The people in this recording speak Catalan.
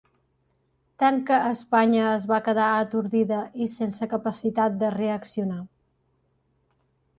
Tant que Espanya es va quedar atordida i sense capacitat de reaccionar.